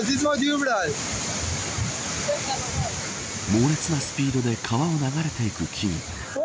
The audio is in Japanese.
猛烈なスピードで川を流れていく木々。